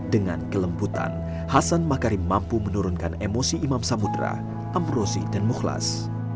dengan kelembutan hasan makarim mampu menurunkan emosi imam samudera amrosi dan mukhlas